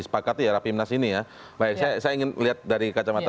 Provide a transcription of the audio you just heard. saya ingin lihat dari kacamata